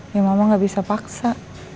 ya mama gak bisa paksa